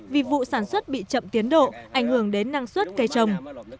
vì vụ sản xuất bị chậm tiến độ ảnh hưởng đến năng suất cây trồng